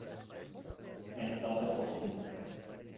احساس خوشی